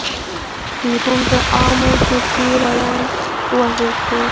د روم د عوامو جرګې ویاند ووژل شو.